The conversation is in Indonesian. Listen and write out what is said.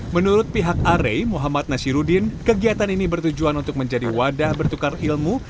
menurut pihak are muhammad nasirudin kegiatan ini bertujuan untuk menjadi wadah bertukar ilmu